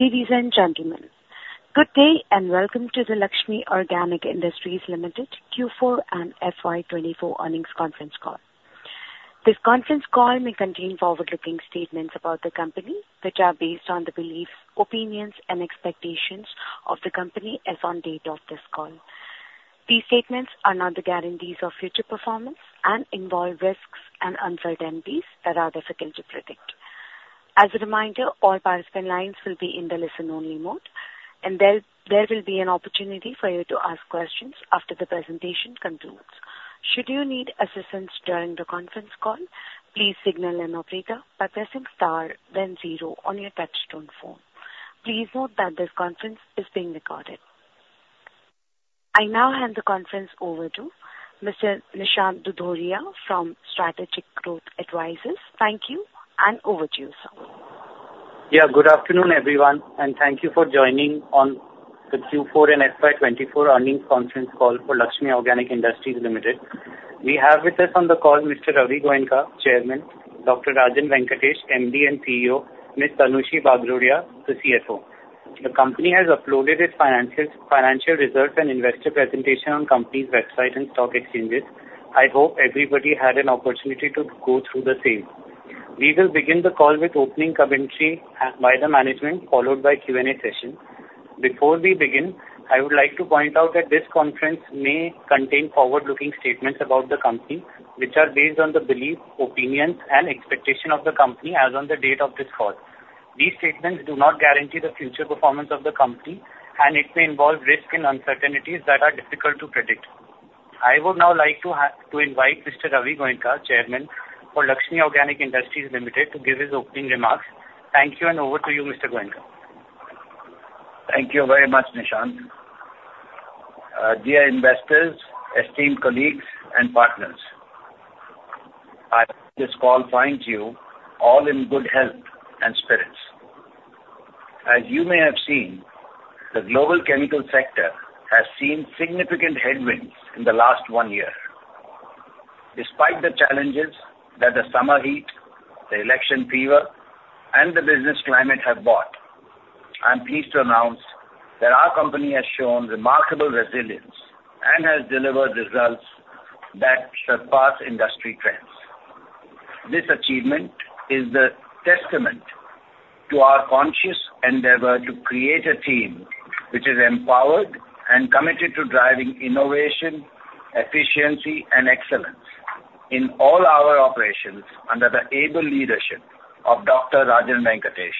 Ladies and gentlemen, good day, and welcome to the Laxmi Organic Industries Limited Q4 and FY24 earnings conference call. This conference call may contain forward-looking statements about the company, which are based on the beliefs, opinions, and expectations of the company as on date of this call. These statements are not the guarantees of future performance and involve risks and uncertainties that are difficult to predict. As a reminder, all participant lines will be in the listen-only mode, and there will be an opportunity for you to ask questions after the presentation concludes. Should you need assistance during the conference call, please signal an operator by pressing Star then zero on your touchtone phone. Please note that this conference is being recorded. I now hand the conference over to Mr. Nishant Dudhoria from Strategic Growth Advisors. Thank you, and over to you, sir. Yeah, good afternoon, everyone, and thank you for joining on the Q4 and FY24 earnings conference call for Laxmi Organic Industries Limited. We have with us on the call Mr. Ravi Goenka, Chairman; Dr. Rajan Venkatesh, MD and CEO; Miss Tanushree Bagrodia, the CFO. The company has uploaded its finances, financial results and investor presentation on company's website and stock exchanges. I hope everybody had an opportunity to go through the same. We will begin the call with opening commentary by the management, followed by Q&A session. Before we begin, I would like to point out that this conference may contain forward-looking statements about the company, which are based on the belief, opinions, and expectation of the company as on the date of this call. These statements do not guarantee the future performance of the company, and it may involve risk and uncertainties that are difficult to predict. I would now like to to invite Mr. Ravi Goenka, Chairman for Laxmi Organic Industries Limited, to give his opening remarks. Thank you, and over to you, Mr. Goenka. Thank you very much, Nishant. Dear investors, esteemed colleagues, and partners, I hope this call finds you all in good health and spirits. As you may have seen, the global chemical sector has seen significant headwinds in the last one year. Despite the challenges that the summer heat, the election fever, and the business climate have brought, I'm pleased to announce that our company has shown remarkable resilience and has delivered results that surpass industry trends. This achievement is the testament to our conscious endeavor to create a team which is empowered and committed to driving innovation, efficiency, and excellence in all our operations under the able leadership of Dr. Rajan Venkatesh,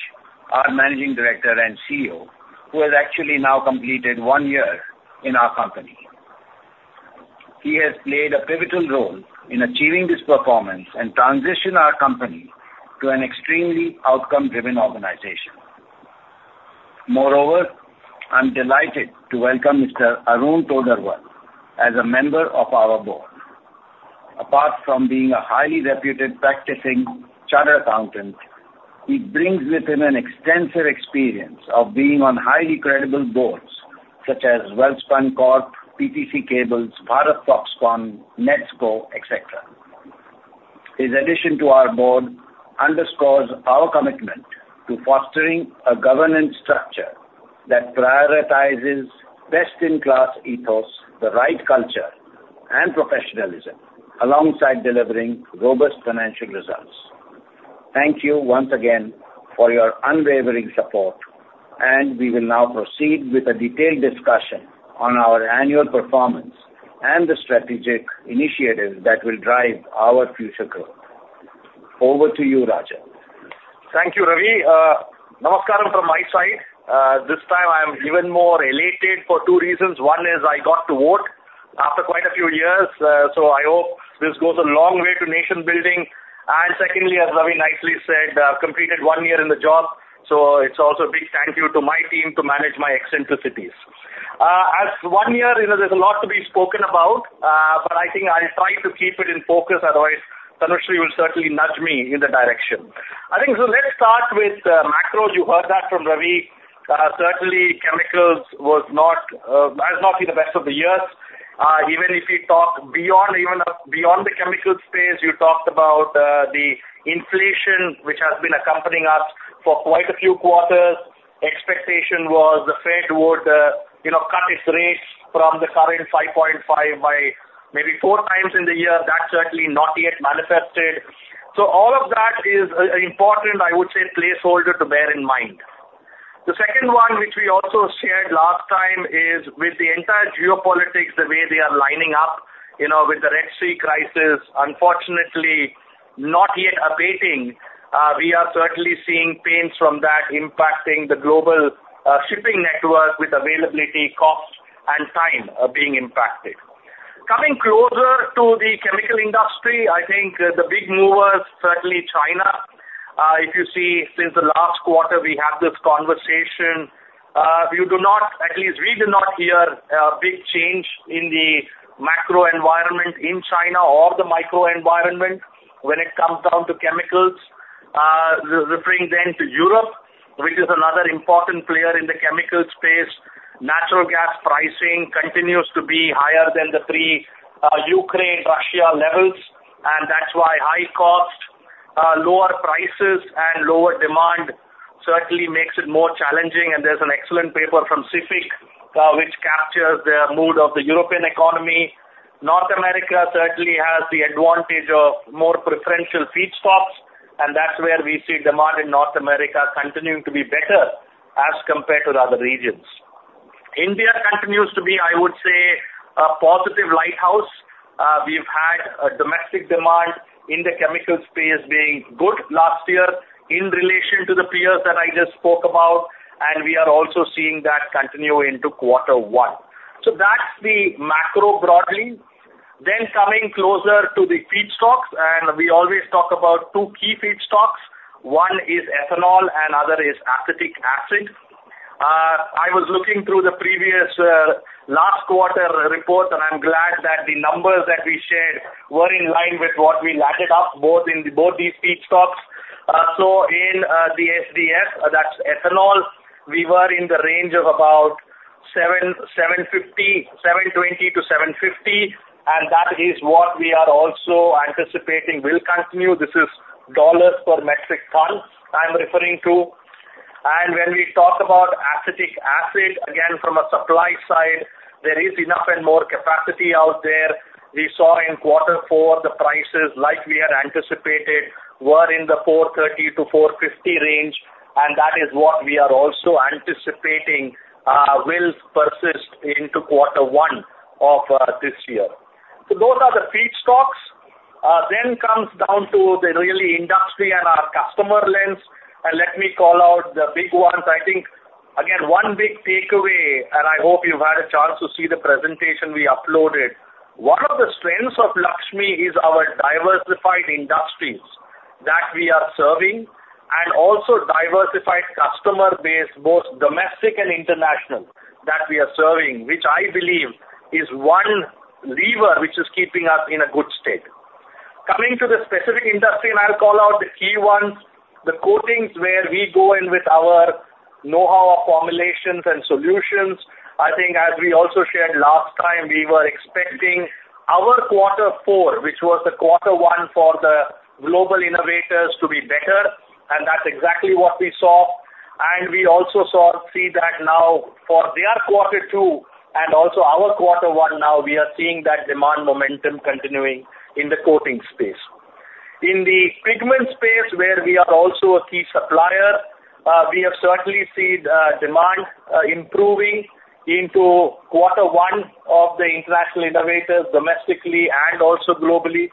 our Managing Director and CEO, who has actually now completed one year in our company. He has played a pivotal role in achieving this performance and transition our company to an extremely outcome-driven organization. Moreover, I'm delighted to welcome Mr. Arun Todarwal as a member of our Board. Apart from being a highly reputed practicing chartered accountant, he brings with him an extensive experience of being on highly credible boards, such as Welspun Corp, PTC Cables, Bharat Wire Ropes, Nesco, et cetera. His addition to our Board underscores our commitment to fostering a governance structure that prioritizes best-in-class ethos, the right culture and professionalism, alongside delivering robust financial results. Thank you once again for your unwavering support, and we will now proceed with a detailed discussion on our annual performance and the strategic initiatives that will drive our future growth. Over to you, Rajan. Thank you, Ravi. Namaskaram from my side. This time I am even more elated for two reasons. One is I got to vote after quite a few years, so I hope this goes a long way to nation-building. And secondly, as Ravi nicely said, completed one year in the job, so it's also a big thank you to my team to manage my eccentricities. As one year, you know, there's a lot to be spoken about, but I think I'll try to keep it in focus, otherwise, Tanushree will certainly nudge me in the direction. I think so let us start with macro. You heard that from Ravi. Certainly, chemicals was not, has not been the best of the years. Even if you talk beyond even, beyond the chemical space, you talked about, the inflation, which has been accompanying us for quite a few quarters. Expectation was the Fed would, you know, cut its rates from the current 5.5 by maybe 4x in the year. That's certainly not yet manifested. So all of that is, important, I would say, placeholder to bear in mind. The second one, which we also shared last time, is with the entire geopolitics, the way they are lining up, you know, with the Red Sea crisis, unfortunately not yet abating, we are certainly seeing pains from that impacting the global, shipping network with availability, cost, and time, being impacted. Coming closer to the chemical industry, I think the big movers, certainly China. If you see since the last quarter we had this conversation, you do not at least we do not hear a big change in the macro environment in China or the micro environment when it comes down to chemicals. Referring then to Europe, which is another important player in the chemical space. Natural gas pricing continues to be higher than the pre-Ukraine-Russia levels, and that's why high cost, lower prices, and lower demand certainly makes it more challenging. There's an excellent paper from Cefic, which captures the mood of the European economy. North America certainly has the advantage of more preferential feedstocks, and that's where we see demand in North America continuing to be better as compared to other regions. India continues to be, I would say, a positive lighthouse. We've had a domestic demand in the chemical space being good last year in relation to the peers that I just spoke about, and we are also seeing that continue into quarter one. So that's the macro broadly. Then coming closer to the feedstocks, and we always talk about two key feedstocks. One is ethanol, and other is acetic acid. I was looking through the previous, last quarter report, and I'm glad that the numbers that we shared were in line with what we lapped up, both both these feedstocks. So in, the SDA, that's ethanol, we were in the range of about $720-$750, and that is what we are also anticipating will continue. This is $ per metric ton, I'm referring to. When we talk about acetic acid, again, from a supply side, there is enough and more capacity out there. We saw in quarter four, the prices, like we had anticipated, were in the $430-$450 range, and that is what we are also anticipating will persist into quarter one of this year. Those are the feedstocks. Then comes down to the real industry and our customer lens, and let me call out the big ones. I think, again, one big takeaway, and I hope you've had a chance to see the presentation we uploaded. One of the strengths of Laxmi is our diversified industries that we are serving, and also diversified customer base, both domestic and international, that we are serving, which I believe is one lever, which is keeping us in a good state. Coming to the specific industry, and I'll call out the key ones, the coatings where we go in with our know-how of formulations and solutions. I think as we also shared last time, we were expecting our quarter four, which was the quarter one for the global innovators, to be better, and that's exactly what we saw. And we also see that now for their quarter two and also our quarter one now, we are seeing that demand momentum continuing in the coating space. In the pigment space, where we are also a key supplier, we have certainly seen demand improving into quarter one of the international innovators, domestically and also globally,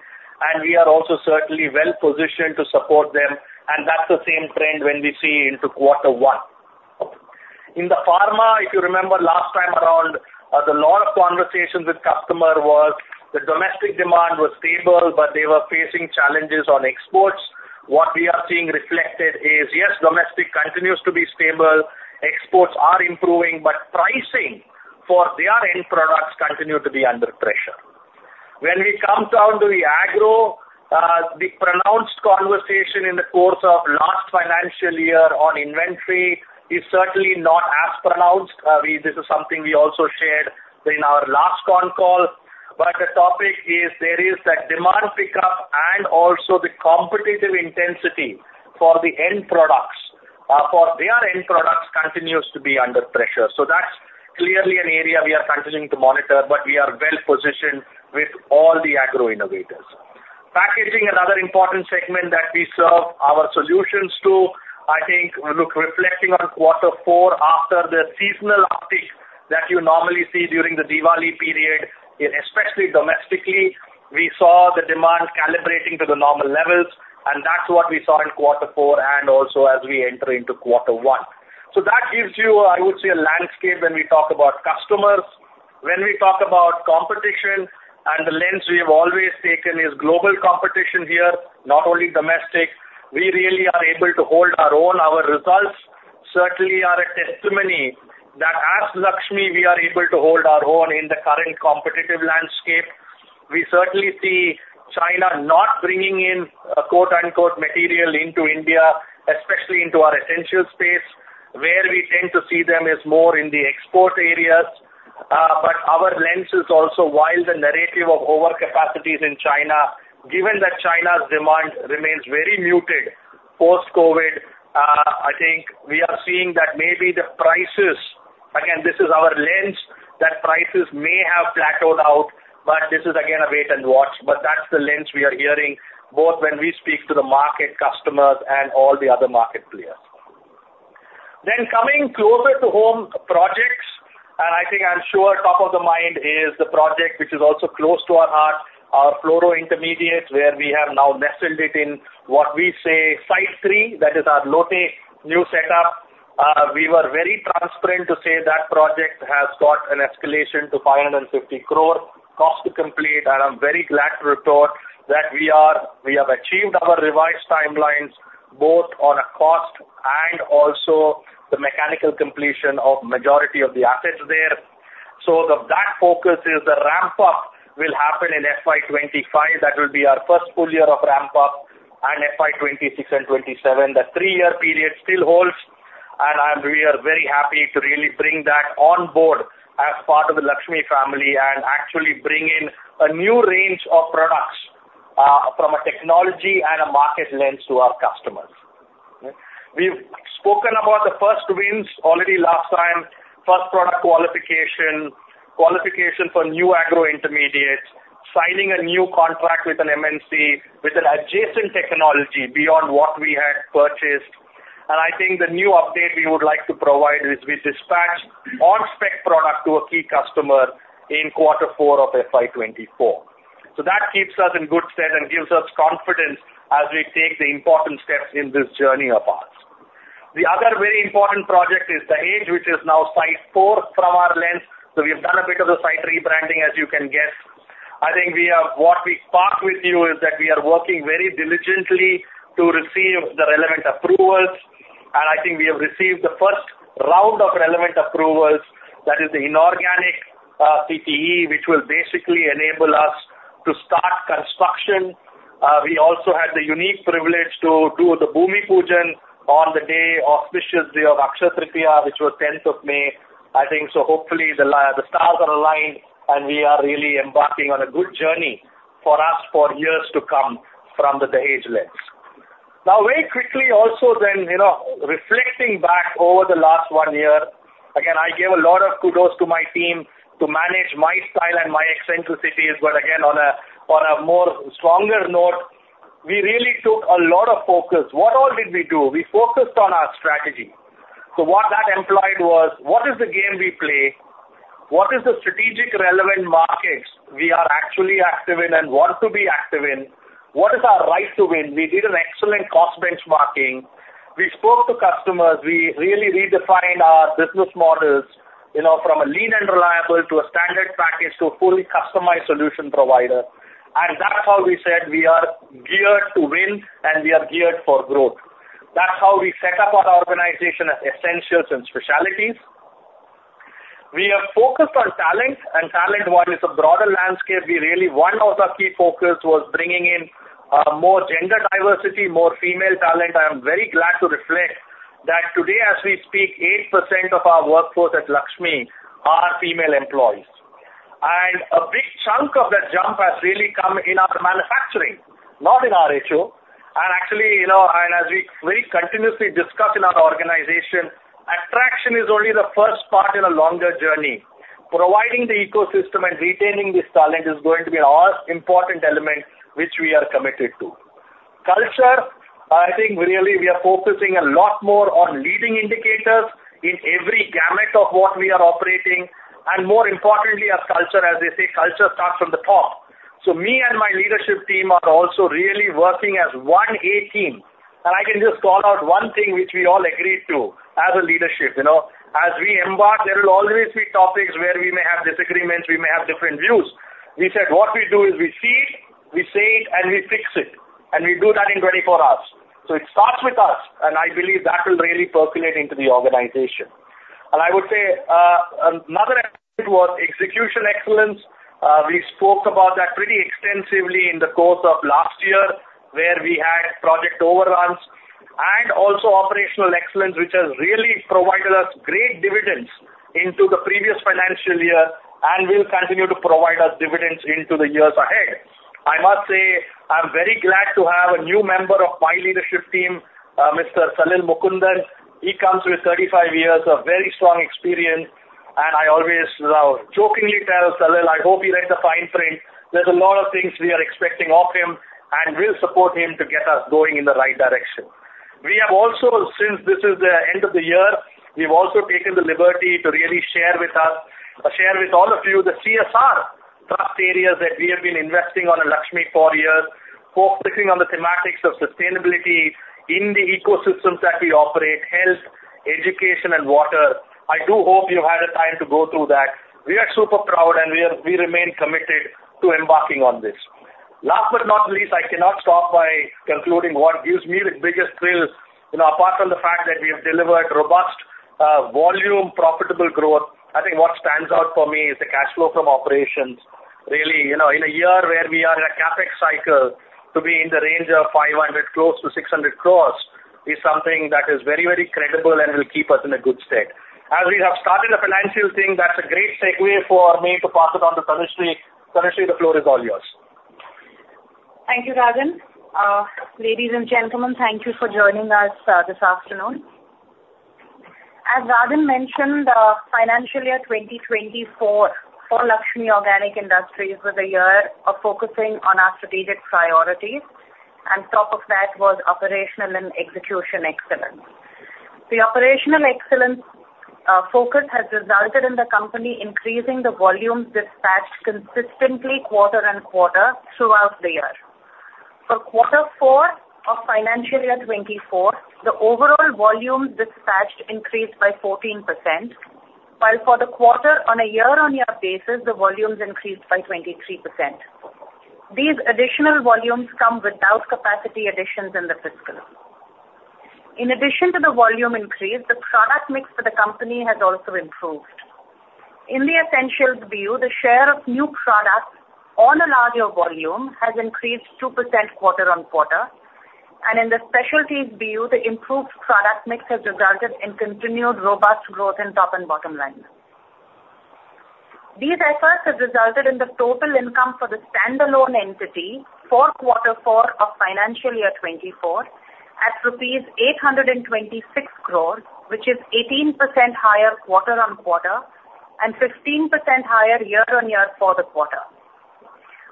and we are also certainly well positioned to support them, and that's the same trend when we see into quarter one. In the pharma, if you remember last time around, the lot of conversations with customer was the domestic demand was stable, but they were facing challenges on exports. What we are seeing reflected is, yes, domestic continues to be stable, exports are improving, but pricing for their end products continue to be under pressure. When we come down to the agro, the pronounced conversation in the course of last financial year on inventory is certainly not as pronounced. This is something we also shared in our last con call, but the topic is there is a demand pickup and also the competitive intensity for the end products, for their end products, continues to be under pressure. So that's clearly an area we are continuing to monitor, but we are well positioned with all the agro innovators. Packaging, another important segment that we serve our solutions to. I think, look, reflecting on quarter four, after the seasonal uptick that you normally see during the Diwali period, especially domestically, we saw the demand calibrating to the normal levels, and that's what we saw in quarter four and also as we enter into quarter one. So that gives you, I would say, a landscape when we talk about customers. When we talk about competition, and the lens we have always taken is global competition here, not only domestic, we really are able to hold our own. Our results certainly are a testimony that as Laxmi, we are able to hold our own in the current competitive landscape. We certainly see China not bringing in a quote, unquote, "material into India," especially into our essential space, where we tend to see them as more in the export areas. But our lens is also, while the narrative of overcapacity is in China, given that China's demand remains very muted post-COVID, I think we are seeing that maybe the prices. Again, this is our lens, that prices may have plateaued out, but this is again, a wait and watch. But that's the lens we are hearing, both when we speak to the market customers and all the other market players. Then coming closer to home, projects, and I think I'm sure top of the mind is the project, which is also close to our heart, our fluoro intermediates, where we have now nestled it in what we say, site three, that is our Lote new setup. We were very transparent to say that project has got an escalation to 550 crore cost to complete, and I'm very glad to report that we have achieved our revised timelines, both on a cost and also the mechanical completion of majority of the assets there. So that focus is the ramp up will happen in FY 2025. That will be our first full year of ramp up, and FY 2026 and FY 2027. The three-year period still holds, and we are very happy to really bring that on board as part of the Laxmi family, and actually bring in a new range of products, from a technology and a market lens to our customers. We've spoken about the first wins already last time, first product qualification, qualification for new agro intermediates, signing a new contract with an MNC, with an adjacent technology beyond what we had purchased. And I think the new update we would like to provide is we dispatched on-spec product to a key customer in quarter four of FY 2024. So that keeps us in good stead and gives us confidence as we take the important steps in this journey of ours. The other very important project is Dahej, which is now Site 4 from our lens. So we've done a bit of the site rebranding, as you can guess. I think what we spoke with you is that we are working very diligently to receive the relevant approvals, and I think we have received the first round of relevant approvals. That is the inorganic CTE, which will basically enable us to start construction. We also had the unique privilege to do the Bhoomi Pujan on the day, auspicious day of Akshaya Tritiya, which was tenth of May, I think. So hopefully, the stars are aligned, and we are really embarking on a good journey for us for years to come from the Dahej lens. Now, very quickly, also, then, you know, reflecting back over the last one year, again, I gave a lot of kudos to my team to manage my style and my eccentricities. But again, on a, on a more stronger note, we really took a lot of focus. What all did we do? We focused on our strategy. So what that implied was, what is the game we play? What is the strategic relevant markets we are actually active in and want to be active in? What is our right to win? We did an excellent cost benchmarking. We spoke to customers. We really redefined our business models, you know, from a lean and reliable to a standard package, to a fully customized solution provider. And that's how we said we are geared to win, and we are geared for growth. That's how we set up our organization as Essentials and Specialties. We are focused on talent, and talent, while it's a broader landscape, we really, one of our key focus was bringing in, more gender diversity, more female talent. I am very glad to reflect that today as we speak, 8% of our workforce at Laxmi are female employees, and a big chunk of that jump has really come in our manufacturing, not in our HO. Actually, you know, and as we very continuously discuss in our organization, attraction is only the first part in a longer journey. Providing the ecosystem and retaining this talent is going to be an all-important element, which we are committed to. Culture, I think, really, we are focusing a lot more on leading indicators in every gamut of what we are operating, and more importantly, as culture, as they say, culture starts from the top. So me and my leadership team are also really working as one, A-team, and I can just call out one thing which we all agreed to as a leadership, you know. As we embark, there will always be topics where we may have disagreements. We may have different views. We said, what we do is we see it, we say it, and we fix it, and we do that in 24 hours. So it starts with us, and I believe that will really percolate into the organization. And I would say, another aspect was execution excellence. We spoke about that pretty extensively in the course of last year, where we had project overruns and also operational excellence, which has really provided us great dividends into the previous financial year and will continue to provide us dividends into the years ahead. I must say, I'm very glad to have a new member of my leadership team, Mr. Salil Mukundan. He comes with 35 years of very strong experience, and I always, jokingly tell Salil, "I hope you read the fine print." There's a lot of things we are expecting of him, and we'll support him to get us going in the right direction. We have also, since this is the end of the year, we've also taken the liberty to really share with all of you the CSR trust areas that we have been investing on at Laxmi for years, focusing on the thematics of sustainability in the ecosystems that we operate: health, education, and water. I do hope you had a time to go through that. We are super proud, and we remain committed to embarking on this. Last but not least, I cannot stop by concluding what gives me the biggest thrill, you know, apart from the fact that we have delivered robust, volume, profitable growth. I think what stands out for me is the cash flow from operations. Really, you know, in a year where we are in a CapEx cycle, to be in the range of 500 crores, close to 600 crores, is something that is very, very credible and will keep us in a good state. As we have started the financial thing, that's a great segue for me to pass it on to Tanushree. Tanushree, the floor is all yours. Thank you, Rajan. Ladies and gentlemen, thank you for joining us this afternoon. As Rajan mentioned, financial year 2024 for Laxmi Organic Industries was a year of focusing on our strategic priorities, and top of that was operational and execution excellence. The operational excellence focus has resulted in the company increasing the volumes dispatched consistently quarter-on-quarter throughout the year. For quarter four of financial year 2024, the overall volumes dispatched increased by 14%, while for the quarter, on a year-on-year basis, the volumes increased by 23%. These additional volumes come without capacity additions in the fiscal. In addition to the volume increase, the product mix for the company has also improved. In the Essentials BU, the share of new products on a larger volume has increased 2% quarter-on-quarter, and in the Specialties BU, the improved product mix has resulted in continued robust growth in top and bottom line. These efforts have resulted in the total income for the standalone entity for quarter four of financial year 2024, at rupees 826 crores, which is 18% higher quarter-on-quarter and 15% higher year-on-year for the quarter.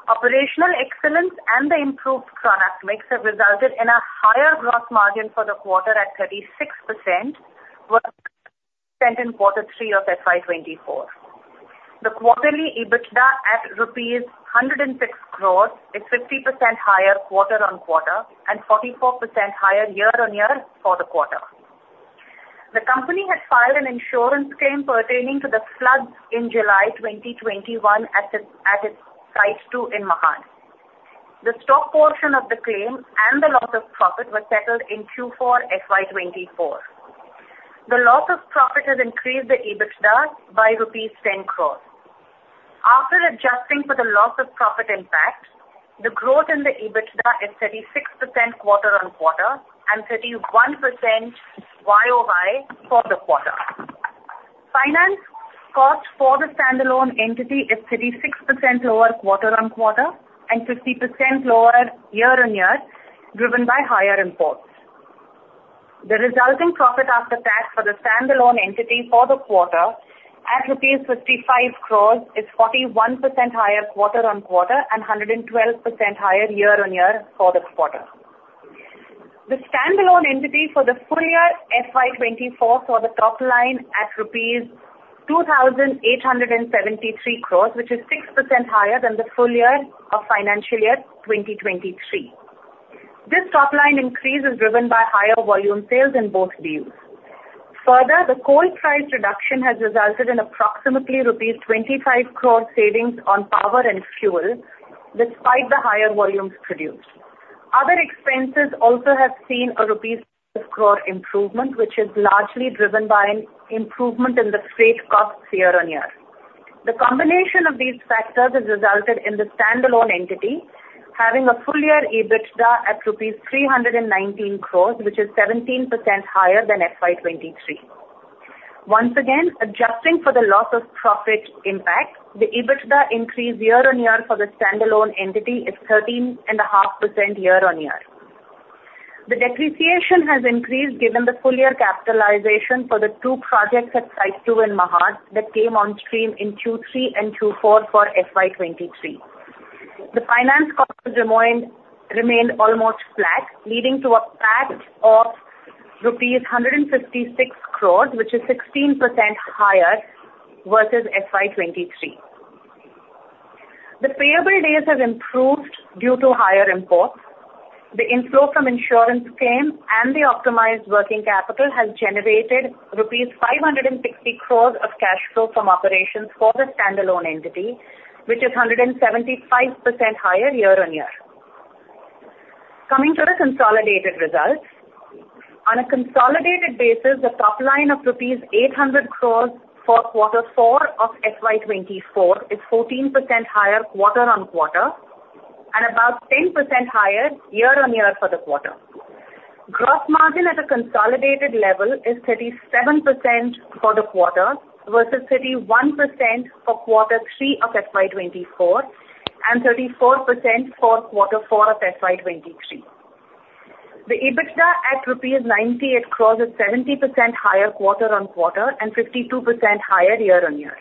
Operational excellence and the improved product mix have resulted in a higher gross margin for the quarter at 36%, versus in quarter three of FY 2024. The quarterly EBITDA at INR 106 crores is 50% higher quarter-on-quarter and 44% higher year-on-year for the quarter. The company has filed an insurance claim pertaining to the floods in July 2021 at its Site 2 in Mahad. The stock portion of the claim and the loss of profit were settled in Q4 FY 2024. The loss of profit has increased the EBITDA by rupees 10 crore. After adjusting for the loss of profit impact, the growth in the EBITDA is 36% quarter-on-quarter and 31% YoY for the quarter. Finance cost for the standalone entity is 36% lower quarter-on-quarter and 50% lower year-on-year, driven by higher imports. The resulting profit after tax for the standalone entity for the quarter at rupees 55 crore, is 41% higher quarter-on-quarter and 112% higher year-on-year for the quarter. The standalone entity for the ful-year FY 2024, saw the top line at rupees 2,873 crore, which is 6% higher than the full-year of financial year 2023. This top line increase is driven by higher volume sales in both BUs. Further, the coal price reduction has resulted in approximately rupees 25 crore savings on power and fuel, despite the higher volumes produced. Other expenses also have seen a 1 crore rupees improvement, which is largely driven by an improvement in the freight costs year-on-year. The combination of these factors has resulted in the standalone entity having a full year EBITDA at rupees 319 crore, which is 17% higher than FY 2023. Once again, adjusting for the loss of profit impact, the EBITDA increase year-on-year for the standalone entity is 13.5% year-on-year. The depreciation has increased given the full year capitalization for the two projects at Site 2 in Mahad that came on stream in Q3 and Q4 for FY 2023. The finance costs remained almost flat, leading to a PAT of rupees 156 crores, which is 16% higher versus FY 2023. The payable days has improved due to higher imports. The inflow from insurance claim and the optimized working capital has generated rupees 560 crores of cash flow from operations for the standalone entity, which is 175% higher year-on-year. Coming to the consolidated results. On a consolidated basis, the top line of rupees 800 crore for quarter four of FY 2024 is 14% higher quarter-on-quarter and about 10% higher year-on-year for the quarter. Gross margin at a consolidated level is 37% for the quarter versus 31% for quarter three of FY 2024, and 34% for quarter four of FY 2023. The EBITDA at rupees 98 crore is 70% higher quarter-on-quarter and 52% higher year-on-year.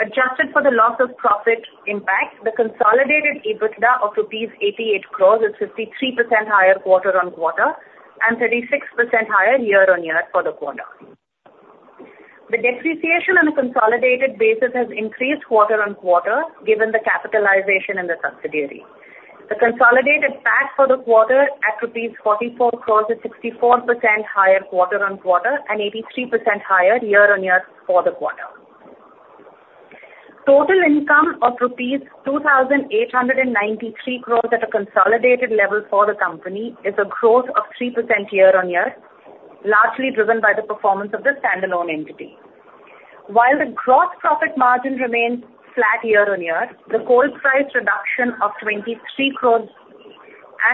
Adjusted for the loss of profit impact, the consolidated EBITDA of rupees 88 crore is 53% higher quarter-on-quarter and 36% higher year-on-year for the quarter. The depreciation on a consolidated basis has increased quarter-on-quarter, given the capitalization in the subsidiary. The consolidated PAT for the quarter at rupees 44 crore is 64% higher quarter-on-quarter and 83% higher year-on-year for the quarter. Total income of rupees 2,893 crore at a consolidated level for the company is a growth of 3% year-on-year, largely driven by the performance of the standalone entity. While the gross profit margin remains flat year-on-year, the coal price reduction of 23 crore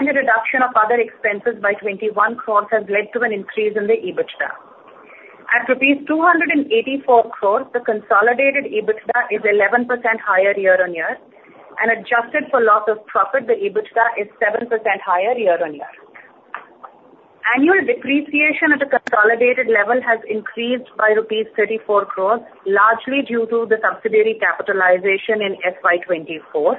and a reduction of other expenses by 21 crore has led to an increase in the EBITDA. At INR 284 crore, the consolidated EBITDA is 11% higher year-on-year, and adjusted for loss of profit, the EBITDA is 7% higher year-on-year. Annual depreciation at the consolidated level has increased by rupees 34 crores, largely due to the subsidiary capitalization in FY 2024,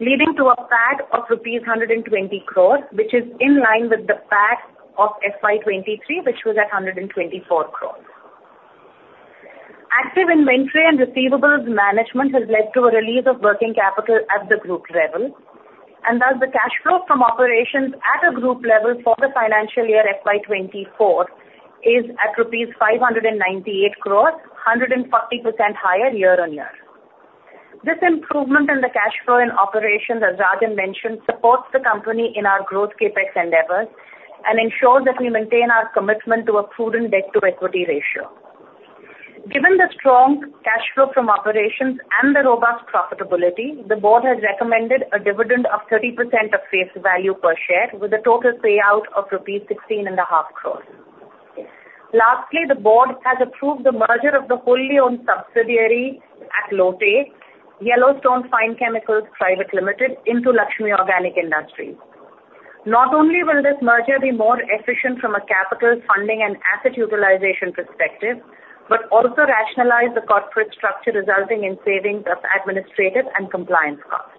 leading to a PAT of rupees 120 crores, which is in line with the PAT of FY 2023, which was at 124 crores. Active inventory and receivables management has led to a release of working capital at the group level, and thus the cash flow from operations at a group level for the financial year FY 2024, is at INR 598 crores, 140% higher year-on-year. This improvement in the cash flow and operation, as Rajan mentioned, supports the company in our growth CapEx endeavors and ensures that we maintain our commitment to a prudent debt-to-equity ratio. Given the strong cash flow from operations and the robust profitability, the board has recommended a dividend of 30% of face value per share, with a total payout of rupees 16.5 crores. Lastly, the Board has approved the merger of the wholly owned subsidiary at Lote, Yellowstone Fine Chemicals Private Limited, into Laxmi Organic Industries Limited. Not only will this merger be more efficient from a capital funding and asset utilization perspective, but also rationalize the corporate structure, resulting in savings of administrative and compliance costs.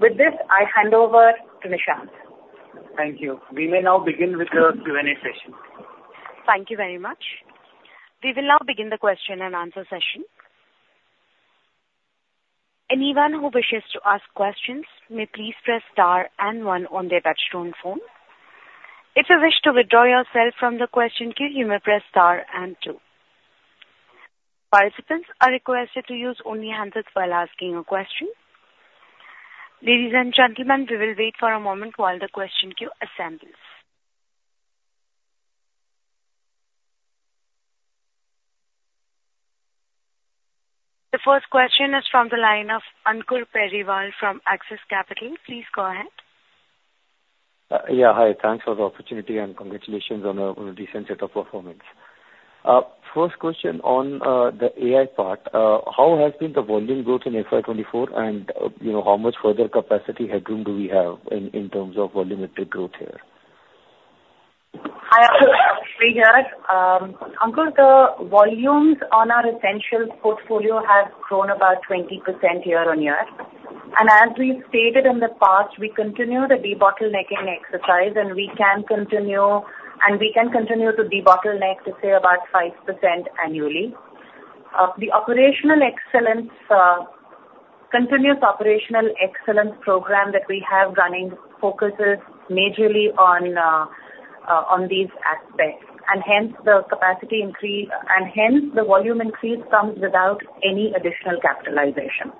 With this, I hand over to Nishant. Thank you. We may now begin with the Q&A session. Thank you very much. We will now begin the question and answer session. Anyone who wishes to ask questions may please press Star and one on their touchtone phone. If you wish to withdraw yourself from the question queue, you may press star and two. Participants are requested to use only handsets while asking a question. Ladies and gentlemen, we will wait for a moment while the question queue assembles. The first question is from the line of Ankur Periwal from Axis Capital. Please go ahead. Yeah, hi. Thanks for the opportunity, and congratulations on a decent set of performance. First question on the AI part. How has been the volume growth in FY 2024, and you know, how much further capacity headroom do we have in terms of volumetric growth here? Hi there, Ankur, the volumes on our Essentials portfolio have grown about 20% year-on-year. As we've stated in the past, we continue the debottlenecking exercise, and we can continue to debottleneck to say about 5% annually. The continuous operational excellence program that we have running focuses majorly on these aspects, and hence the capacity increase, and hence the volume increase comes without any additional capitalization.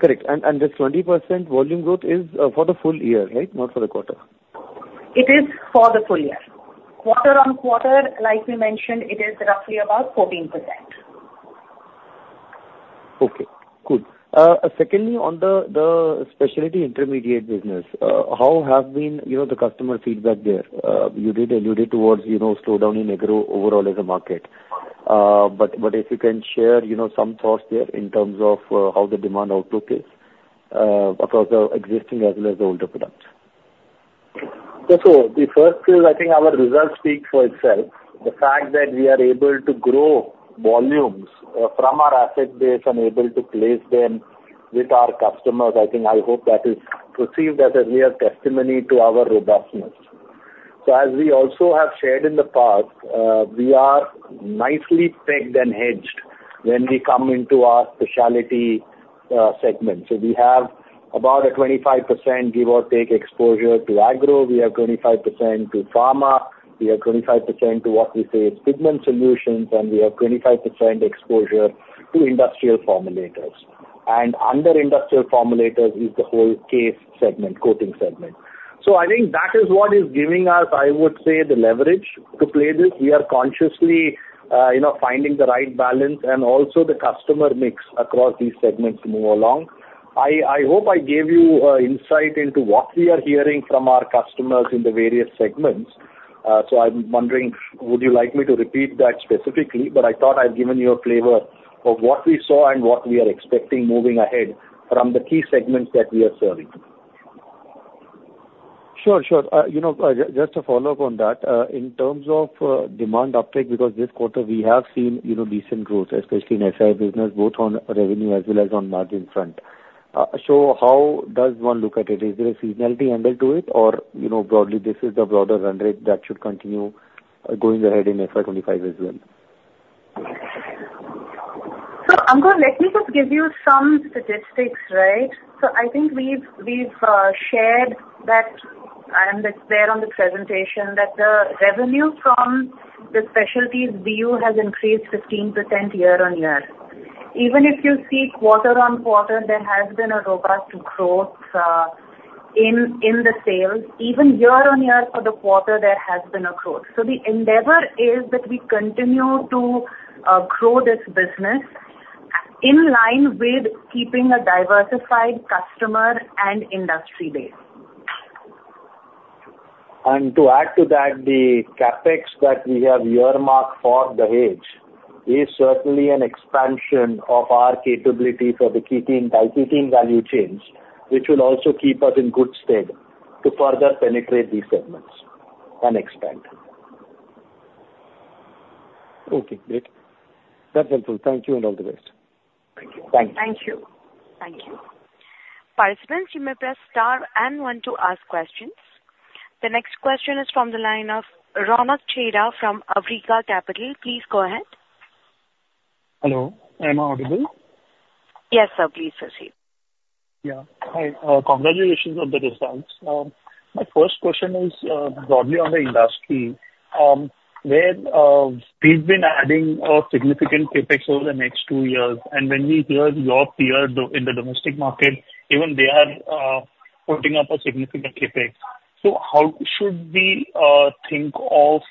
Correct. And this 20% volume growth is for the full year, right? Not for the quarter. It is for the full year. Quarter-on-quarter, like we mentioned, it is roughly about 14%. Okay, good. Secondly, on the specialty intermediate business, how have been, you know, the customer feedback there? You did allude towards, you know, slowdown in agro overall as a market. But if you can share, you know, some thoughts there in terms of how the demand outlook is across the existing as well as the older products. So, so the first is, I think our results speak for itself. The fact that we are able to grow volumes, from our asset base and able to place them with our customers, I think I hope that is perceived as a real testimony to our robustness. So as we also have shared in the past, we are nicely pegged and hedged when we come into our specialty, segment. So we have about a 25%, give or take, exposure to agro, we have 25% to pharma, we have 25% to what we say is pigment solutions, and we have 25% exposure to industrial formulators. And under industrial formulators is the whole CASE segment, coating segment. So I think that is what is giving us, I would say, the leverage to play this. We are consciously, you know, finding the right balance and also the customer mix across these segments to move along. I hope I gave you insight into what we are hearing from our customers in the various segments. So I'm wondering, would you like me to repeat that specifically? But I thought I'd given you a flavor of what we saw and what we are expecting moving ahead from the key segments that we are serving. Sure, sure. You know, just to follow up on that, in terms of demand uptake, because this quarter we have seen, you know, decent growth, especially in Specialties business, both on revenue as well as on margin front. So how does one look at it? Is there a seasonality angle to it, or you know, broadly, this is the broader run rate that should continue, going ahead in FY 2025 as well? So, Ankur, let me just give you some statistics, right? So I think we've shared that, and it's there on the presentation, that the revenue from the Specialties BU has increased 15% year-on-year. Even if you see quarter-on-quarter, there has been a robust growth in the sales. Even year-on-year for the quarter, there has been a growth. So the endeavor is that we continue to grow this business in line with keeping a diversified customer and industry base. To add to that, the CapEx that we have earmarked for the Dahej is certainly an expansion of our capability for the ketene-diketene value chains, which will also keep us in good stead to further penetrate these segments and expand. Okay, great. That's helpful. Thank you, and all the best. Thank you. Thank you. Thank you. Participants, you may press Star and one to ask questions. The next question is from the line of Ronak Chheda from Awriga Capital. Please go ahead. Hello, am I audible? Yes, sir, please proceed. Yeah. Hi, congratulations on the results. My first question is, broadly on the industry, where we've been adding a significant CapEx over the next two years, and when we hear your peer do in the domestic market, even they are putting up a significant CapEx. So how should we think of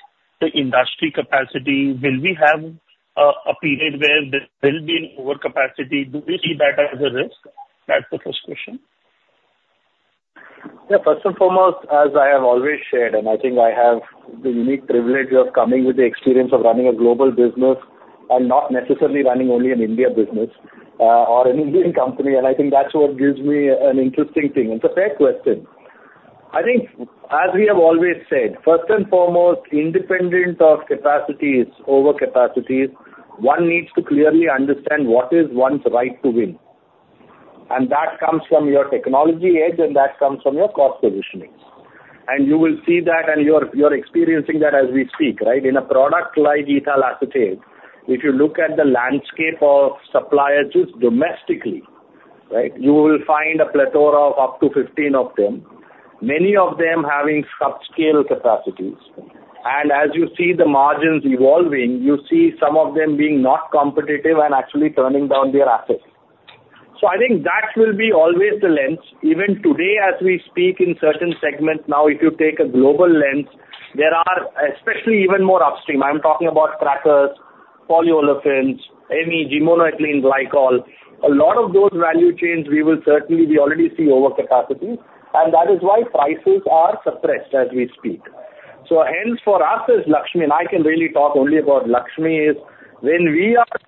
the industry capacity? Will we have a period where there will be an overcapacity? Do we see that as a risk? That's the first question. Yeah, first and foremost, as I have always shared, and I think I have the unique privilege of coming with the experience of running a global business and not necessarily running only an Indian business, or an Indian company, and I think that's what gives me an interesting thing. It's a fair question. I think as we have always said, first and foremost, independent of capacities, overcapacities, one needs to clearly understand what is one's right to win, and that comes from your technology edge, and that comes from your cost positioning. And you will see that, and you're, you're experiencing that as we speak, right? In a product like ethyl acetate, if you look at the landscape of suppliers just domestically, right, you will find a plethora of up to 15 of them, many of them having subscale capacities. As you see the margins evolving, you see some of them being not competitive and actually turning down their assets. I think that will be always the lens. Even today, as we speak in certain segments, now, if you take a global lens, there are especially even more upstream. I'm talking about crackers, polyolefins, MEG, monoethylene glycol. A lot of those value chains, we will certainly, we already see overcapacity, and that is why prices are suppressed as we speak. Hence, for us, as Laxmi, and I can really talk only about Laxmi, is when we are,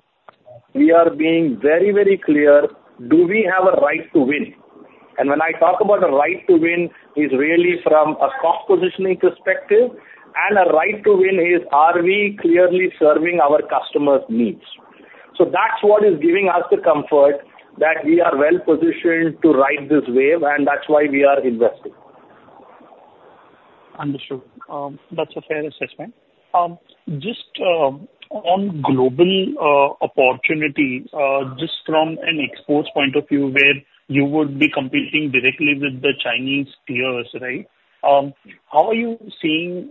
we are being very, very clear, do we have a right to win? And when I talk about a right to win, is really from a cost positioning perspective, and a right to win is, are we clearly serving our customers' needs? That's what is giving us the comfort that we are well-positioned to ride this wave, and that's why we are investing. Understood. That's a fair assessment. Just on global opportunity, just from an export point of view, where you would be competing directly with the Chinese peers, right? How are you seeing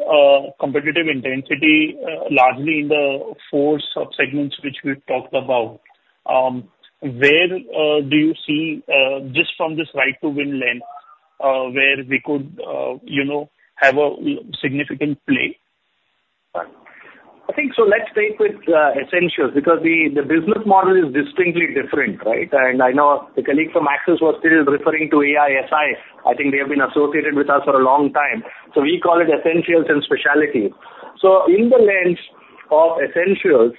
competitive intensity, largely in the four subsegments which we talked about? Where do you see, just from this right to win lens, where we could, you know, have a significant play? I think so let's take with essentials, because the business model is distinctly different, right? And I know a colleague from Axis was still referring to AI/SI. I think they have been associated with us for a long time, so we call it Essentials and Specialties. So in the lens of Essentials,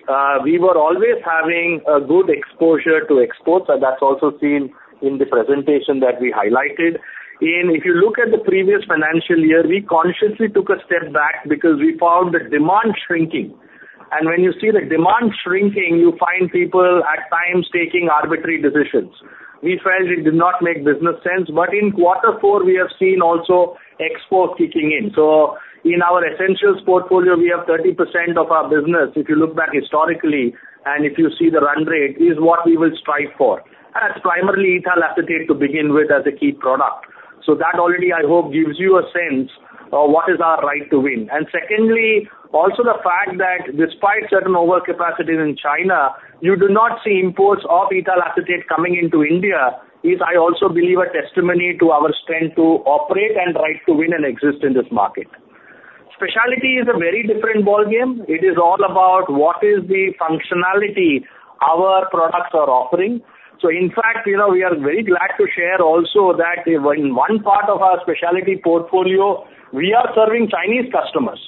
we were always having a good exposure to exports, and that's also seen in the presentation that we highlighted. If you look at the previous financial year, we consciously took a step back because we found the demand shrinking. And when you see the demand shrinking, you find people at times taking arbitrary decisions. We felt it did not make business sense, but in quarter four, we have seen also exports kicking in. So in our Essentials portfolio, we have 30% of our business, if you look back historically, and if you see the run rate, is what we will strive for. And that's primarily Ethyl Acetate to begin with, as a key product. So that already, I hope, gives you a sense of what is our right to win. And secondly, also the fact that despite certain overcapacities in China, you do not see imports of Ethyl Acetate coming into India, is, I also believe, a testimony to our strength to operate and right to win and exist in this market. Specialties is a very different ballgame. It is all about what is the functionality our products are offering. So in fact, you know, we are very glad to share also that in one part of our Specialties portfolio, we are serving Chinese customers.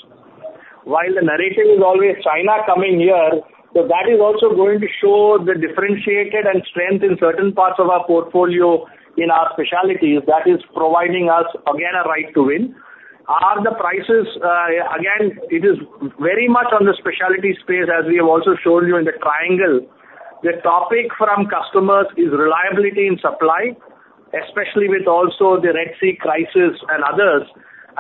While the narrative is always China coming here, so that is also going to show the differentiated and strength in certain parts of our portfolio in our specialties. That is providing us, again, a right to win. Are the prices again, it is very much on the specialty space, as we have also shown you in the triangle. The topic from customers is reliability in supply, especially with also the Red Sea crisis and others.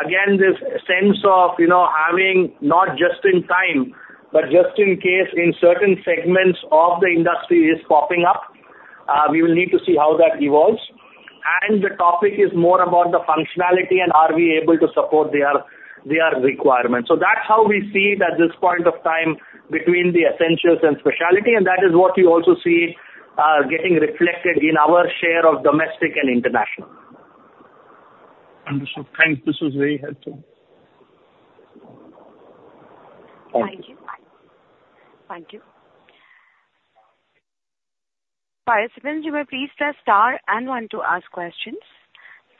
Again, this sense of, you know, having not just in time, but just in case in certain segments of the industry is popping up, we will need to see how that evolves. And the topic is more about the functionality and are we able to support their, their requirements. So that's how we see it at this point of time between the Essentials and Specialties, and that is what you also see getting reflected in our share of domestic and international. Understood. Thanks. This was very helpful. Thank you. Thank you. Participants, you may please press Star and one to ask questions.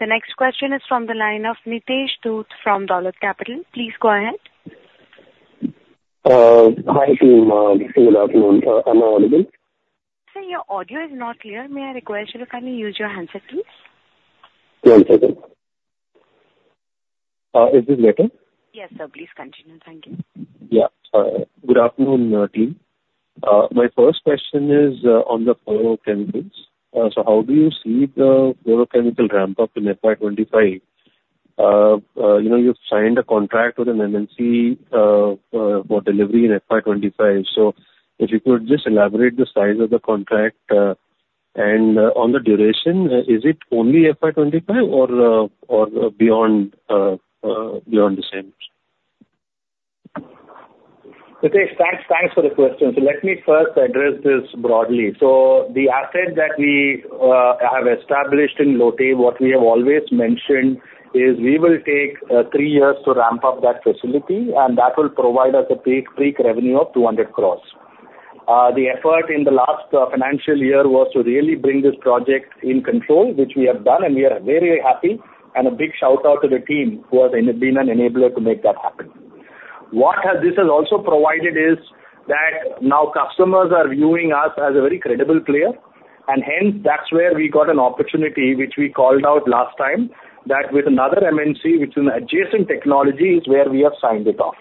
The next question is from the line of Nitesh Dhoot from Dolat Capital. Please go ahead. Hi, team, good afternoon. Am I audible? Sir, your audio is not clear. May I request you to kindly use your handset, please? One second. Is this better? Yes, sir. Please continue. Thank you. Yeah. Good afternoon, team. My first question is on the fluorochemicals. So how do you see the fluorochemical ramp-up in FY 2025? You know, you've signed a contract with an MNC for delivery in FY 2025. So if you could just elaborate the size of the contract, and on the duration, is it only FY 2025 or beyond the same? Nitesh, thanks, thanks for the question. So let me first address this broadly. So the asset that we have established in Lote, what we have always mentioned is we will take three years to ramp up that facility, and that will provide us a peak, peak revenue of 200 crore. The effort in the last financial year was to really bring this project in control, which we have done, and we are very happy. And a big shout out to the team who has been an enabler to make that happen. What has this has also provided is that now customers are viewing us as a very credible player, and hence, that's where we got an opportunity, which we called out last time, that with another MNC, which is an adjacent technology, is where we have signed it off.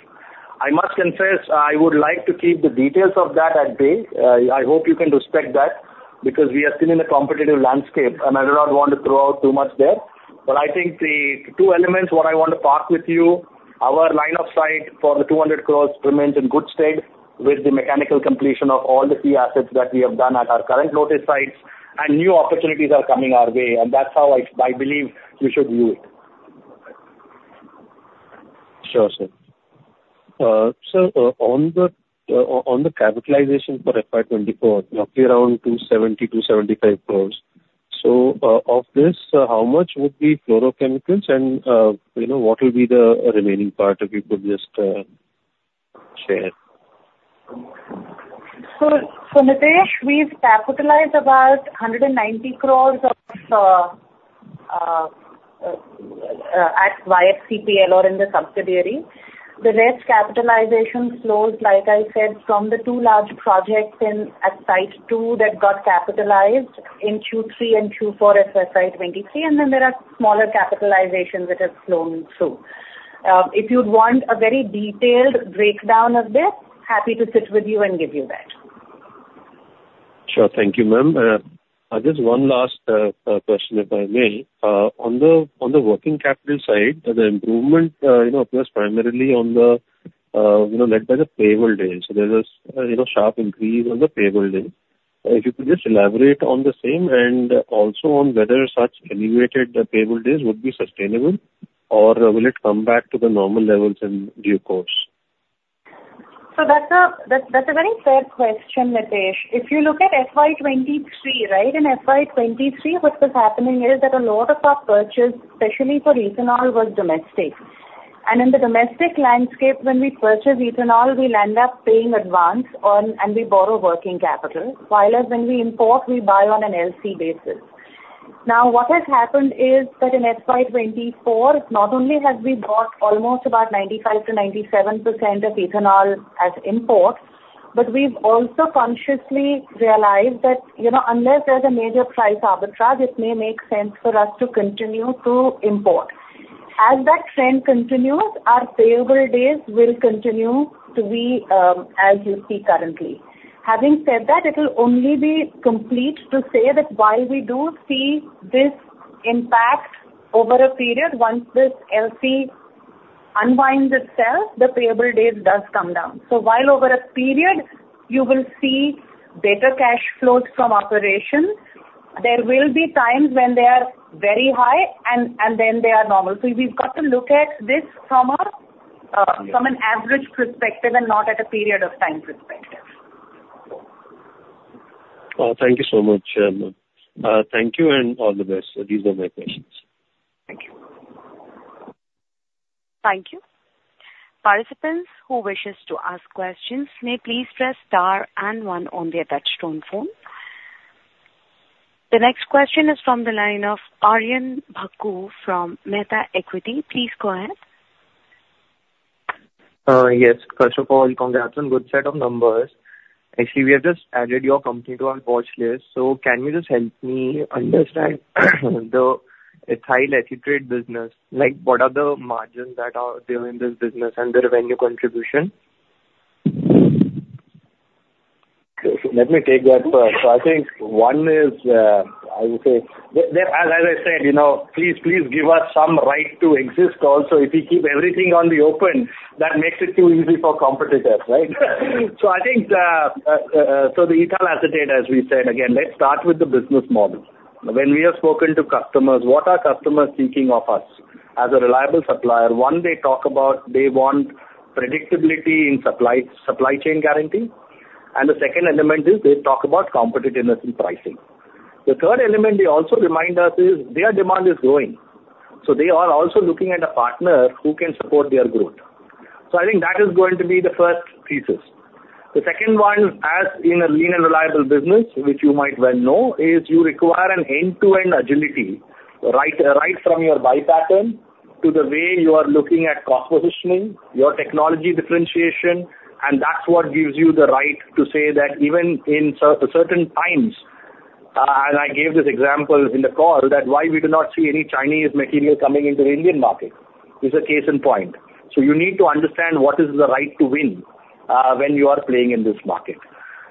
I must confess, I would like to keep the details of that at bay. I hope you can respect that, because we are still in a competitive landscape, and I do not want to throw out too much there. But I think the two elements, what I want to part with you, our line of sight for the 200 crore remains in good state with the mechanical completion of all the key assets that we have done at our current Lote sites, and new opportunities are coming our way, and that's how I, I believe we should view it. Sure, sir. So, on the capitalization for FY 2024, roughly around 270-275 crores. So, of this, how much would be fluorochemicals and, you know, what will be the remaining part, if you could just share? So, Nitesh, we've capitalized about 190 crores at YFCPL or in the subsidiary. The rest capitalization flows, like I said, from the two large projects in, at site two, that got capitalized in Q3 and Q4 as of FY 2023, and then there are smaller capitalizations that have flown through. If you'd want a very detailed breakdown of this, happy to sit with you and give you that. Sure. Thank you, ma'am. Just one last question, if I may. On the working capital side, the improvement, you know, appears primarily on the, you know, led by the payable days. There is a you know sharp increase on the payable days. If you could just elaborate on the same and also on whether such elevated payable days would be sustainable, or will it come back to the normal levels in due course? So that's a very fair question, Nitesh. If you look at FY 2023, right? In FY 2023, what was happening is that a lot of our purchase, especially for ethanol, was domestic. And in the domestic landscape, when we purchase ethanol, we'll end up paying advance on and we borrow working capital, while as when we import, we buy on an LC basis. Now, what has happened is that in FY 2024, not only have we bought almost about 95%-97% of ethanol as imports, but we've also consciously realized that, you know, unless there's a major price arbitrage, it may make sense for us to continue to import. As that trend continues, our payable days will continue to be as you see currently. Having said that, it'll only be complete to say that while we do see this impact over a period, once this LC unwinds itself, the payable days does come down. So while over a period, you will see better cash flows from operations, there will be times when they are very high and, and then they are normal. So we've got to look at this from a, Yeah. from an average perspective and not at a period of time perspective. Thank you so much, ma'am. Thank you and all the best. These are my questions. Thank you. Thank you. Participants who wish to ask questions may please press Star and one on their touch-tone phone. The next question is from the line of Aryan Bhakoo from Mehta Equities. Please go ahead. Yes. First of all, congrats on good set of numbers. Actually, we have just added your company to our watch list. So can you just help me understand the ethyl acetate business? Like, what are the margins that are there in this business and the revenue contribution? So let me take that first. So I think one is, I would say, as I said, you know, please, please give us some right to exist also. If you keep everything on the open, that makes it too easy for competitors, right? So I think, so the ethyl acetate, as we said, again, let's start with the business model. When we have spoken to customers, what are customers thinking of us? As a reliable supplier, one, they talk about they want predictability in supply, supply chain guarantee, and the second element is they talk about competitiveness in pricing. The third element they also remind us is, their demand is growing, so they are also looking at a partner who can support their growth. So I think that is going to be the first thesis. The second one, as in a lean and reliable business, which you might well know, is you require an end-to-end agility, right, right from your buy pattern to the way you are looking at cost positioning, your technology differentiation, and that's what gives you the right to say that even in certain times, and I gave this example in the call, that why we do not see any Chinese material coming into the Indian market, is a case in point. So you need to understand what is the right to win, when you are playing in this market.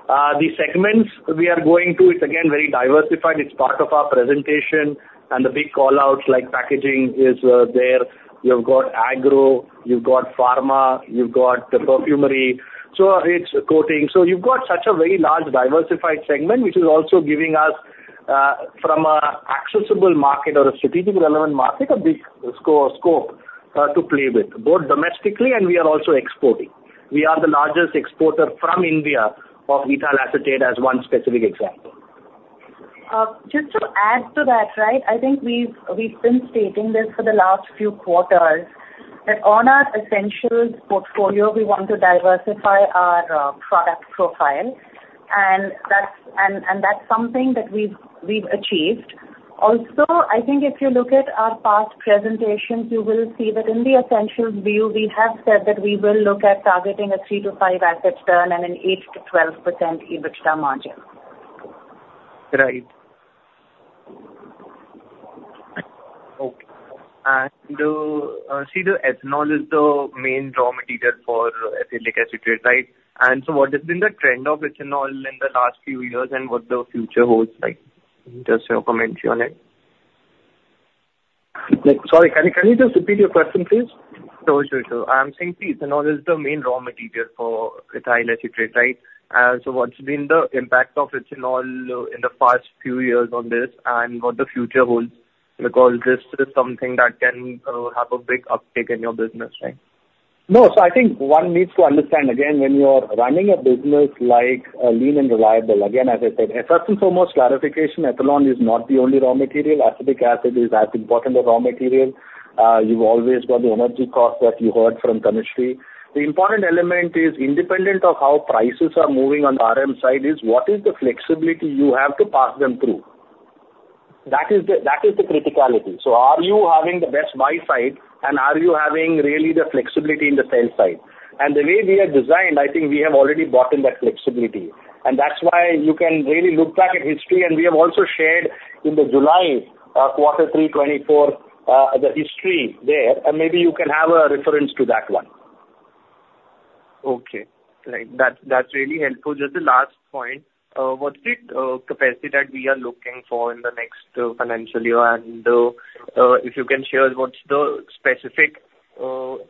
The segments we are going to, it's again, very diversified. It's part of our presentation, and the big call-outs like packaging is, there. You've got agro, you've got pharma, you've got the perfumery, so it's coating. So you've got such a very large, diversified segment, which is also giving us, from a accessible market or a strategic relevant market, a big scope, to play with, both domestically and we are also exporting. We are the largest exporter from India of ethyl acetate as one specific example. Just to add to that, right? I think we've been stating this for the last few quarters, that on our Essentials portfolio, we want to diversify our product profile, and that's something that we've achieved. Also, I think if you look at our past presentations, you will see that in the Essentials BU, we have said that we will look at targeting a 3-5 asset turn and an 8%-12% EBITDA margin. Right. Okay. And, see, the ethanol is the main raw material for ethyl acetate, right? And so what has been the trend of ethanol in the last few years, and what the future holds, like, just your commentary on it? Sorry, can you, can you just repeat your question, please? Sure, sure, sure. I'm saying the ethanol is the main raw material for ethyl acetate, right? So what's been the impact of ethanol in the past few years on this and what the future holds? Because this is something that can have a big uptick in your business, right? No, so I think one needs to understand again, when you are running a business like, lean and reliable, again, as I said, first and foremost clarification, ethanol is not the only raw material. Acetic acid is as important a raw material. You've always got the energy cost that you heard from Tanushree. The important element is independent of how prices are moving on the RM side, is what is the flexibility you have to pass them through? That is the, that is the criticality. So are you having the best buy side, and are you having really the flexibility in the sell side? And the way we are designed, I think we have already bought in that flexibility. That's why you can really look back at history, and we have also shared in the July quarter 3 2024 the history there, and maybe you can have a reference to that one. Okay. Right. That's, that's really helpful. Just the last point, what's the capacity that we are looking for in the next financial year? And, if you can share what's the specific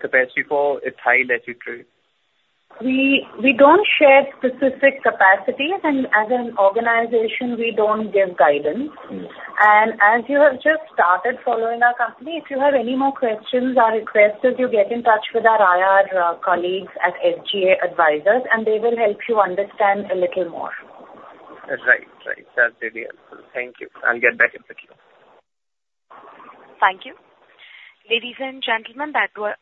capacity for ethyl acetate? We don't share specific capacities, and as an organization, we don't give guidance. As you have just started following our company, if you have any more questions, I request that you get in touch with our IR colleagues at SGA Advisors, and they will help you understand a little more. Right. Right. That's really helpful. Thank you. I'll get back in touch. Thank you. Ladies and gentlemen,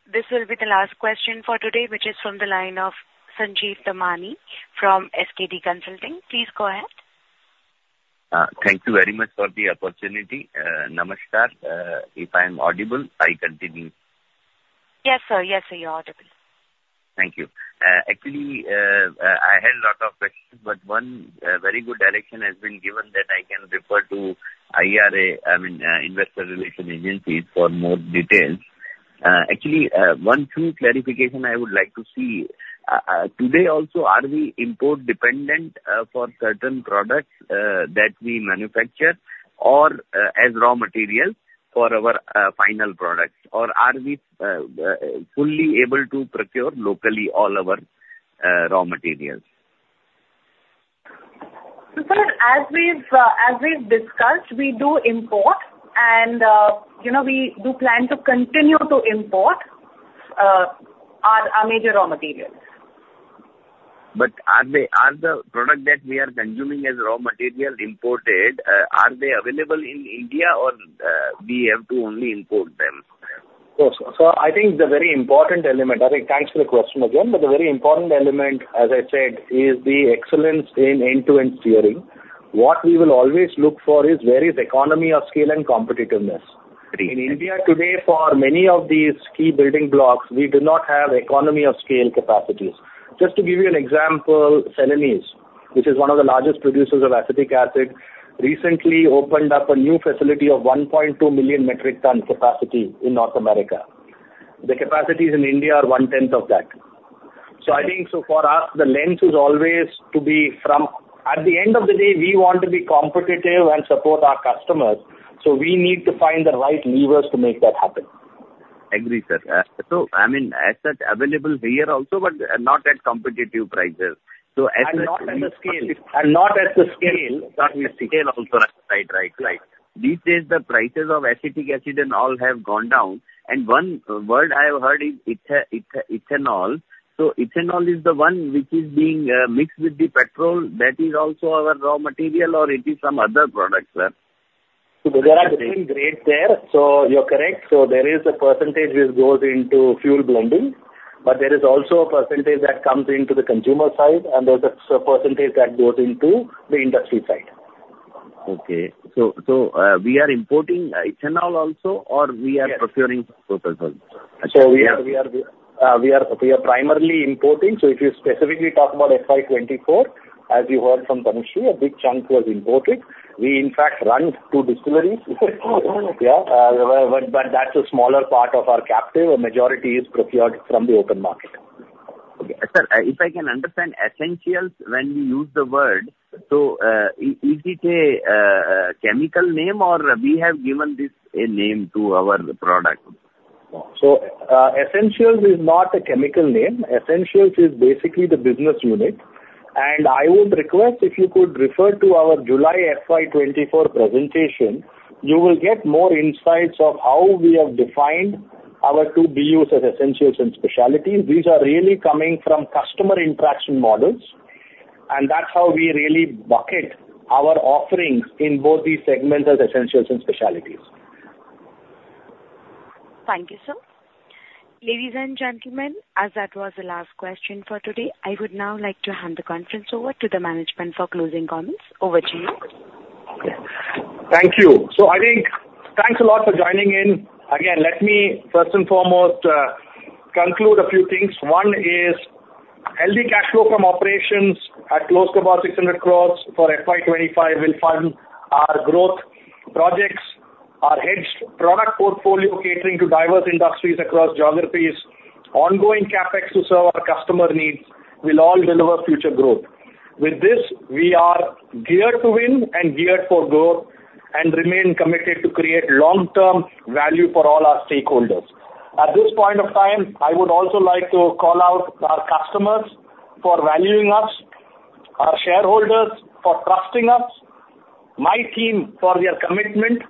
this will be the last question for today, which is from the line of Sanjeev Damani from SKD Consulting. Please go ahead. Thank you very much for the opportunity. Namaste, if I'm audible, I continue. Yes, sir. Yes, sir, you're audible. Thank you. Actually, I had a lot of questions, but one very good direction has been given that I can refer to IRA, I mean, investor relation agencies for more details. Actually, one true clarification I would like to see, today also, are we import dependent for certain products that we manufacture or as raw materials for our final products? Or are we fully able to procure locally all our raw materials? So, sir, as we've, as we've discussed, we do import and, you know, we do plan to continue to import, our, our major raw materials. But are they, are the products that we are consuming as raw material imported, are they available in India or, we have to only import them? So, I think the very important element... I think thanks for the question again, but the very important element, as I said, is the excellence in end-to-end steering. What we will always look for is where is economy of scale and competitiveness. Agreed. In India today, for many of these key building blocks, we do not have economy of scale capacities. Just to give you an example, Celanese, which is one of the largest producers of acetic acid, recently opened up a new facility of 1.2 million metric ton capacity in North America. The capacities in India are one-tenth of that. So I think, so for us, the lens is always to be from... At the end of the day, we want to be competitive and support our customers, so we need to find the right levers to make that happen. Agree, sir. So I mean, as such, available here also, but, not at competitive prices. So as such Not at the scale. Scale also, right. Right, right, right. These days, the prices of acetic acid and all have gone down, and one word I have heard is ethanol. So ethanol is the one which is being mixed with the petrol. That is also our raw material, or it is some other product, sir? There are different grades there, so you're correct. So there is a percentage which goes into fuel blending, but there is also a percentage that comes into the consumer side, and there's a percentage that goes into the industry side. Okay. So, we are importing ethanol also, or we are Yes. -procuring...? So we are primarily importing. So if you specifically talk about FY 2024, as you heard from Tanushree, a big chunk was imported. We in fact run two distilleries, but that's a smaller part of our captive. A majority is procured from the open market. Okay, sir, if I can understand Essentials, when we use the word, so, is it a chemical name, or we have given this a name to our product? Essentials is not a chemical name. Essentials is basically the business unit, and I would request, if you could refer to our July FY24 presentation, you will get more insights of how we have defined our two BUs as Essentials and Specialties. These are really coming from customer interaction models, and that's how we really bucket our offerings in both these segments as Essentials and Specialties. Thank you, sir. Ladies and gentlemen, as that was the last question for today, I would now like to hand the conference over to the management for closing comments. Over to you. Thank you. So I think thanks a lot for joining in. Again, let me first and foremost conclude a few things. One is healthy cash flow from operations at close to about 600 crore for FY 2025 will fund our growth projects, our hedged product portfolio catering to diverse industries across geographies, ongoing CapEx to serve our customer needs will all deliver future growth. With this, we are geared to win and geared for growth and remain committed to create long-term value for all our stakeholders. At this point of time, I would also like to call out our customers for valuing us, our shareholders for trusting us, my team for their commitment,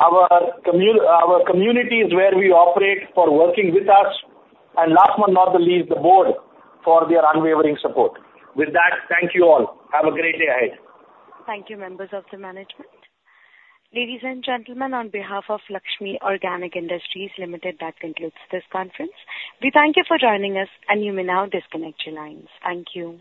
our communities where we operate, for working with us, and last but not the least, the board for their unwavering support. With that, thank you all. Have a great day ahead. Thank you, members of the management. Ladies and gentlemen, on behalf of Laxmi Organic Industries Limited, that concludes this conference. We thank you for joining us, and you may now disconnect your lines. Thank you.